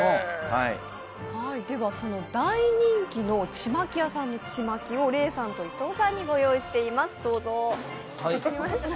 大人気のちまき屋さんのちまきをレイさんと伊藤さんにご用意しています。